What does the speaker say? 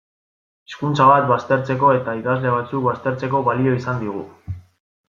Hizkuntza bat baztertzeko eta ikasle batzuk baztertzeko balio izan digu.